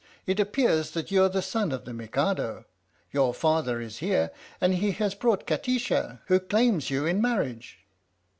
It appears that you're the son of the Mikado. Your father is here, and he has brought Kati sha, who claims you in marriage."